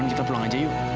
ya non kita pulang aja yuk